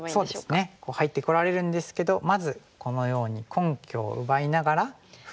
そうですね入ってこられるんですけどまずこのように根拠を奪いながら封鎖ですね。